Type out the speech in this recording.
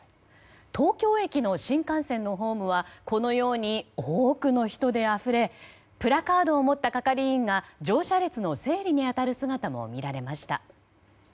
東京駅の新幹線のホームはこのように多くの人であふれプラカードを持った係員が乗車列の整理に当たる姿も見られました。